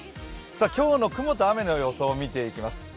今日の雲と雨の予想を見ていきます。